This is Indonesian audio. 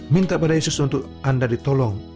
minta pada yesus untuk anda ditolong